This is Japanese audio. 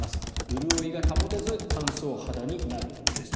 潤いが保てず乾燥肌になるんですと。